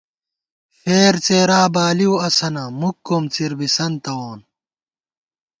فېر څېرا بالِؤ اسَنہ ، مُک کومڅِر بِسن تَوون